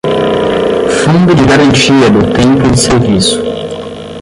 fundo de garantia do tempo de serviço;